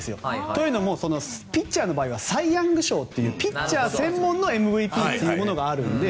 というのもピッチャーの場合はサイ・ヤング賞というピッチャー専門のＭＶＰというものがあるので。